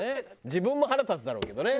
自分も腹立つだろうけどね。